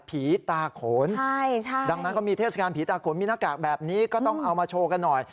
ผีตาโขนดังนั้นก็มีเทศกาลผีตาโขนมีหน้ากากแบบนี้ก็ต้องเอามาโชว์กันหน่อย